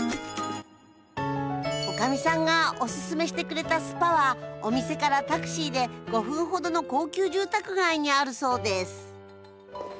おかみさんがおススメしてくれたスパはお店からタクシーで５分ほどの高級住宅街にあるそうです